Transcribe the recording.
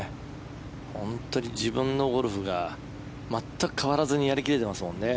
本当に自分のゴルフが全く変わらずにやり切れてますもんね。